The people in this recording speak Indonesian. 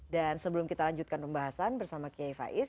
dan sebelum kita lanjutkan pembahasan bersama kiai faiz